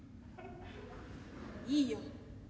いいよ。